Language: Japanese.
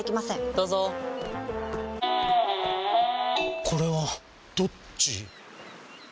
どうぞこれはどっち？